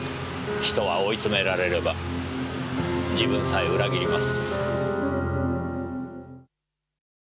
人は追い詰められれば自分さえ裏切ります。